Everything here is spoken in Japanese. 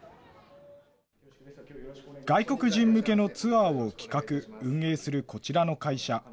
外国人向けのツアーを企画・運営するこちらの会社。